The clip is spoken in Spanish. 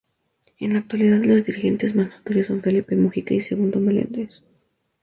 En la actualidad los dirigentes más notorios son Felipe Mujica y Segundo Melendez.